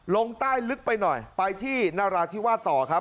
ลงใต้ลึกไปหน่อยไปที่นราธิวาสต่อครับ